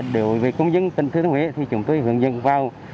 đối với công dân tỉnh thừa thiên huế thì chúng tôi hướng dẫn vào